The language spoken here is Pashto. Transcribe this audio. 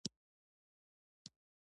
د متل کارونه د موضوع او وخت سره سمه وي